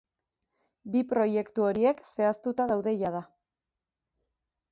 Bi proiektu horiek zehaztuta daude jada.